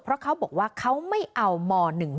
เพราะเขาบอกว่าเขาไม่เอาม๑๑